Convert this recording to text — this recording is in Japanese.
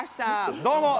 どうも。